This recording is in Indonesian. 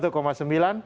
pak yusuf kala empat tiga